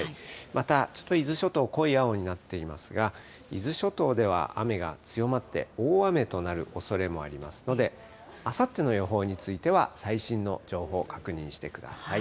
またちょっと伊豆諸島、濃い青になっていますが、伊豆諸島では雨が強まって、大雨となるおそれもありますので、あさっての予報については最新の情報、確認してください。